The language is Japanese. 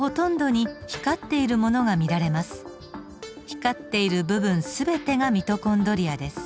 光っている部分全てがミトコンドリアです。